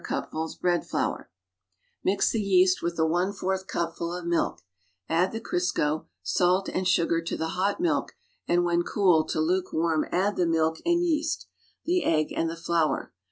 U cupfuls bread flour Mix the yeast with the one fourth cupful of milk; add the Crisco, salt and sugar to the hot milk and when cooled to lukewarm add the milk and yeast, the egg and the flour.